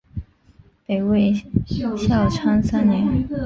北魏孝昌三年。